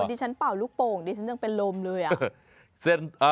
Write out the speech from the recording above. ที่ฉันเป่าลูกโป่งดิฉันยังเป็นลมเลยอ่ะ